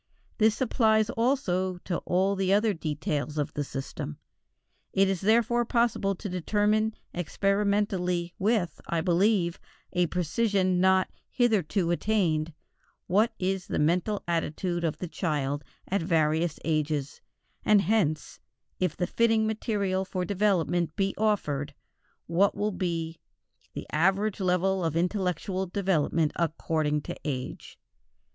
This applies also to all the other details of the system. It is therefore possible to determine experimentally, with, I believe, a precision not hitherto attained, what is the mental attitude of the child at various ages, and hence, if the fitting material for development be offered, what will be the average level of intellectual development according to age.